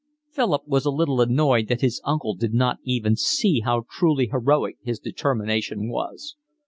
Philip was a little annoyed that his uncle did not even see how truly heroic his determination was.